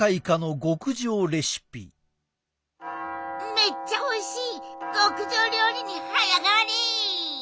めっちゃおいしい極上料理に早変わり！